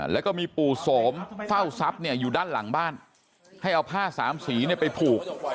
แล้วก็มีปู่โสมเฝ้าทรัพย์อยู่ด้านหลังบ้านให้เอาผ้าสามสีไปผูก